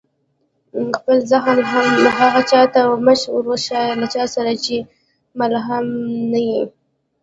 خپل زخم هغه چا ته مه ورښيه، له چا سره چي ملهم نه يي.